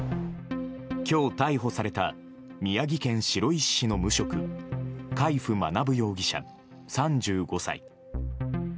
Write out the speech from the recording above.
今日逮捕された宮城県白石市の無職海部学容疑者、３５歳。